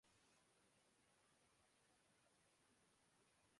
Kenya سے درامد چائے میں مضر صحت کیمیکل کی موجودگی کا انکشاف